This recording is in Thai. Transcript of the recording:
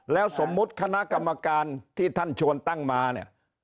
แล้วสมมุติคณะกรรมการที่ท่านชวนตั้งมาเนี่ย